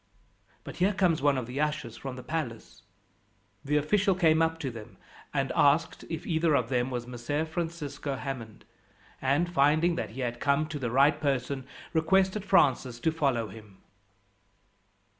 But here comes one of the ushers from the palace." The official came up to them, and asked if either of them was Messer Francisco Hammond, and, finding that he had come to the right person, requested Francis to follow him.